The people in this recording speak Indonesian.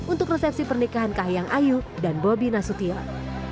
untuk resepsi pernikahan kahiyang ayu dan bobi nasution